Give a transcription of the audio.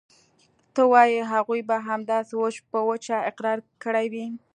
ته وايې هغوى به همداسې وچ په وچه اقرار کړى وي.